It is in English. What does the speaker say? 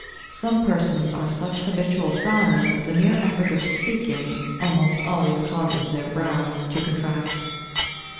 Some persons are such habitual frowners, that the mere effort of speaking almost always causes their brows to contract.